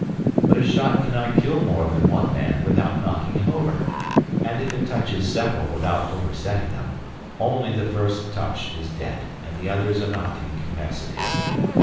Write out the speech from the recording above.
But a shot cannot kill more than one man without knocking him over, and if it touches several without oversetting them, only the first touched is dead and the others are not incapacitated.